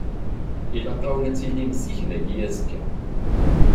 Ilaq-awen ad tiliḍ zik dagi azekka.